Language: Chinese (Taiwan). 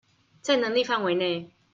在能力範圍內